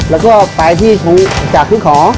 แล้วก็ไปที่ทุกของ